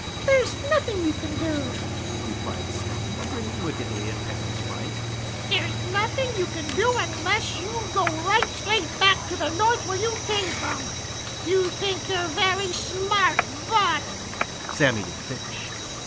"There's nothing you can do," replied Sammy, grinning wickedly at Paddy's fright. "There's nothing you can do unless you go right straight back to the North where you came from. You think you are very smart but " Sammy didn't finish.